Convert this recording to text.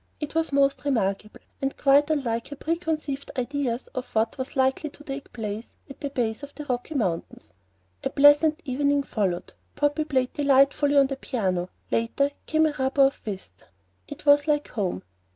It was most remarkable, and quite unlike her preconceived ideas of what was likely to take place at the base of the Rocky Mountains. A pleasant evening followed. "Poppy" played delightfully on the piano; later came a rubber of whist. It was like home.